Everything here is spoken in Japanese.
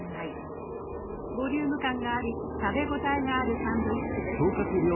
ボリューム感があり食べ応えがあるサンドイッチです。